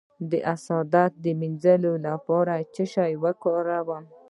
د حسد د مینځلو لپاره باید څه شی وکاروم؟